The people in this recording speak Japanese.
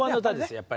やっぱり。